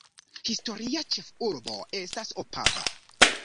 Historia ĉefurbo estas Opava.